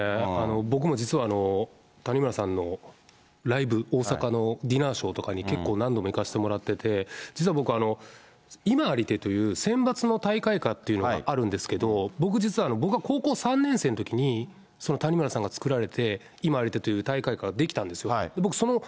僕も実は谷村さんのライブ、大阪のディナーショーとかに結構何度も行かせてもらってて、実は僕、いまありてという選抜の大会歌っていうのがあるんですけど、僕、実は、僕が高校３年生のときにその谷村さんが作られて、いまありてという大会歌が出来たんですよ。